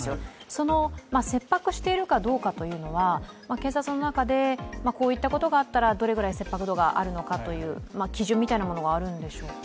その切迫しているかどうかというのは警察の中でこういったことがあったらどれぐらい切迫度があるのかという基準みたいなのがあるんでしょうか。